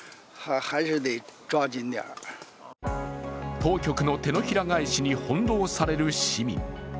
当局の手のひら返しに翻弄される市民。